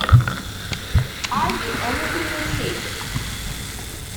I'll do anything you say.